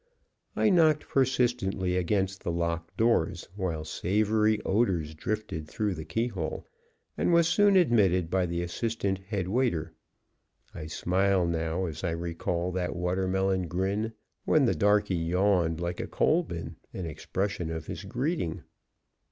I knocked persistently against the locked doors, while savory odors drifted through the keyhole, and was soon admitted by the assistant head waiter. I smile now as I recall that watermelon grin, when the darkey yawned like a coalbin in expression of his greeting.